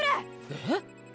えっ！？